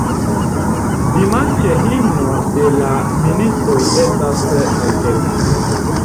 Dimanĉe himno de la ministoj estas aŭdebla.